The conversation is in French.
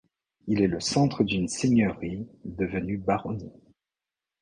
Il est le centre d'une seigneurie, devenue baronnie.